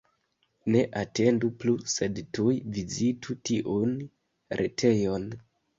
Ne atendu plu, sed tuj vizitu tiun retejon!